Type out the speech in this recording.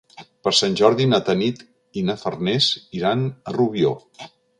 Per Sant Jordi na Tanit i na Farners iran a Rubió.